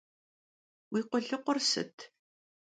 Vui khulıkhur sıt?